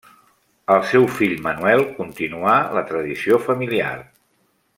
El seu fill Manuel continuà la tradició familiar.